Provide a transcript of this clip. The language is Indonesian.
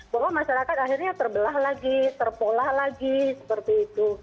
bahwa masyarakat akhirnya terbelah lagi terpolah lagi seperti itu